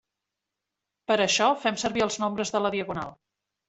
Per a això fem servir els nombres de la diagonal.